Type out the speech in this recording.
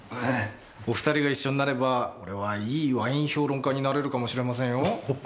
お２人が一緒になればこれはいいワイン評論家になれるかもしれませんよ。